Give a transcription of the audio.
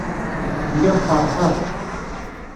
Lliɣ feṛḥeɣ.